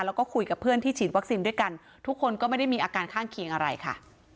แล้วก็คุยกับเพื่อนที่ฉีดวัคซีนด้วยกันทุกคนก็ไม่ได้มีอาการข้างเคียงอะไรค่ะ